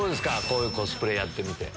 こういうコスプレやってみて。